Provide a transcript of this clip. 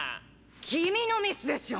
君のミスでしょ！